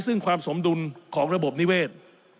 ซึ่งความสมดุลของระบบนิเวศ